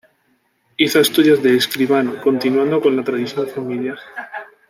Hizo estudios de escribano, continuando con la tradición familiar.